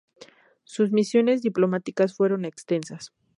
Sus misiones diplomáticas fueron extensas.